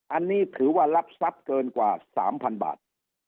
อันนี้ถือว่ารับทรัพย์เกินกว่า๓๐๐๐บาท